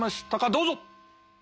どうぞ！